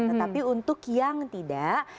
tetapi untuk yang tidak